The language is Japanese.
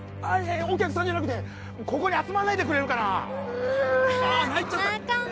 あいえお客さんじゃなくてここに集まらないでくれるかなああ泣いちゃった！